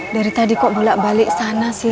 dari tadi kok bulat balik sana sini